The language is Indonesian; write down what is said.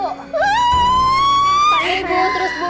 takut bu terus bu